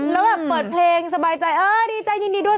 แล้วแบบเปิดเพลงสบายใจเออดีใจยินดีด้วย